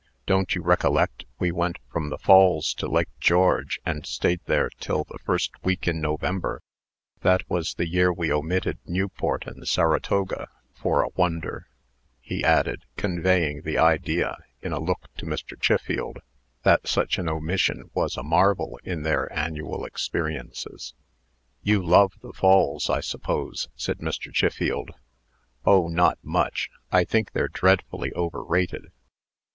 "Don't you recollect we went from the Falls to Lake George, and stayed there till the first week in November? That was the year we omitted Newport and Saratoga, for a wonder," he added, conveying the idea, in a look to Mr. Chiffield, that such an omission was a marvel in their annual experiences. "You love the Falls, I suppose?" said Mr. Chiffield. "Oh! not much. I think they're dreadfully overrated."